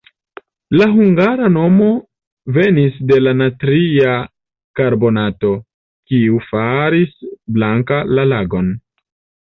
La hungara nomo venis de natria karbonato, kiu faris blanka la lagon.